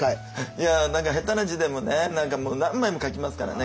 いや何か下手な字でもね何かもう何枚も書きますからね。